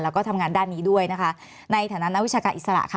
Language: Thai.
แล้วก็ทำงานด้านนี้ด้วยนะคะในฐานะนักวิชาการอิสระค่ะ